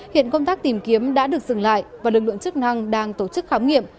hiện công tác tìm kiếm đã được dừng lại và lực lượng chức năng đang tổ chức khám nghiệm